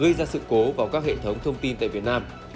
gây ra sự cố vào các hệ thống thông tin tại việt nam